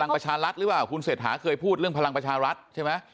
ประชารัฐหรือเปล่าคุณเศรษฐาเคยพูดเรื่องพลังประชารัฐใช่ไหม